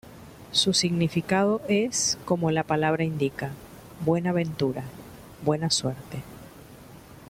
Su significado es, como la palabra indica, "buena ventura", buena suerte.